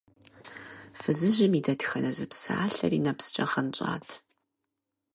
Фызыжьым и дэтхэнэ зы псалъэри нэпскӀэ гъэнщӀат.